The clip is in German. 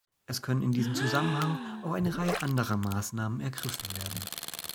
Es können in diesem Zusammenhang auch eine Reihe anderer Maßnahmen ergriffen werden.